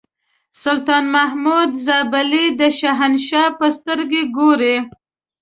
سلطان محمود زابلي د شهنشاه په سترګه ګوري.